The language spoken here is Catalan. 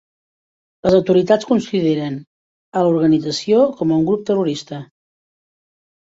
Les autoritats consideren a l'organització com a un grup terrorista.